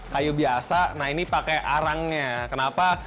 kayu biasa nah ini pakai arangnya kenapa